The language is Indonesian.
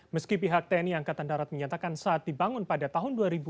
meski pihak tni angkatan darat menyatakan saat dibangun pada tahun dua ribu dua puluh